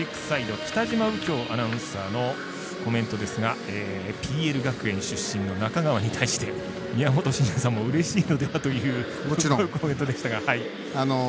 北嶋右京アナウンサーのコメントですがＰＬ学園出身の中川に対して宮本慎也さんも、うれしいのではというコメントでしたが。